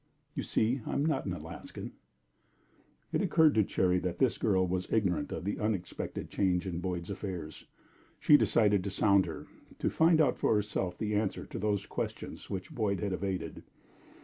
"You see, I am not an Alaskan." It occurred to Cherry that this girl was ignorant of the unexpected change in Boyd's affairs. She decided to sound her to find out for herself the answer to those questions which Boyd had evaded.